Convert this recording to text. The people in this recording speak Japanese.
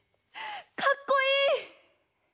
かっこいい！